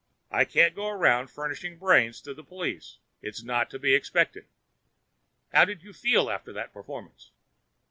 I can't go around furnishing brains to the police; it is not to be expected.' 'How did you feel after that performance?'